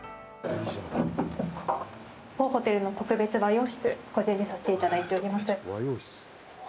当ホテルの特別和洋室をご準備させていただいております。